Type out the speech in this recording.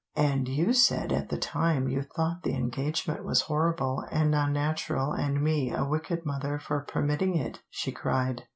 "And you said at the time you thought the engagement was horrible and unnatural and me a wicked mother for permitting it," she cried.